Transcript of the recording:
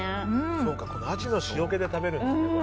そうかアジの塩気で食べるんだ。